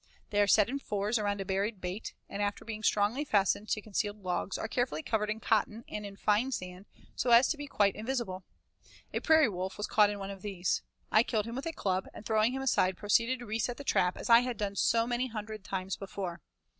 They are set in fours around a buried bait, and after being strongly fastened to concealed logs are carefully covered in cotton and in fine sand so as to be quite invisible. A prairie wolf was caught in one of these. I killed him with a club and throwing him aside proceeded to reset the trap as I had done so many hundred times before.